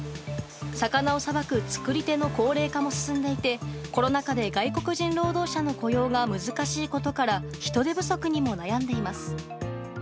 魚をさばく作り手の高齢化も進んでいて、コロナ禍で外国人労働者の雇用が難しいことから、人出不足にも悩んでいます。